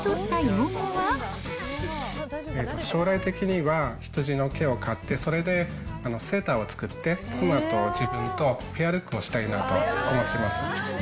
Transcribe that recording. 将来的には、羊の毛を刈って、それでセーターを作って妻と自分とペアルックをしたいなと思ってます。